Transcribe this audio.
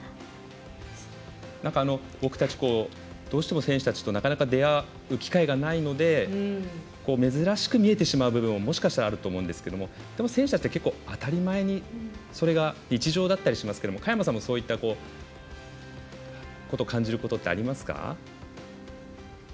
僕たち、どうしても選手たちとなかなか出会う機会がないので珍しく見えてしまう部分もしかしたらあるかもしれないんですがでも選手たちって、当たり前にそれが日常だったり増すけど佳山さんもそういうことを感じることってありますか？